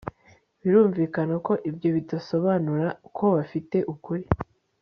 Birumvikana ko ibyo bidasobanura ko bafite ukuri